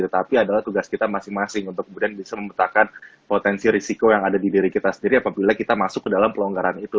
tetapi adalah tugas kita masing masing untuk kemudian bisa memetakkan potensi risiko yang ada di diri kita sendiri apabila kita masuk ke dalam pelonggaran itu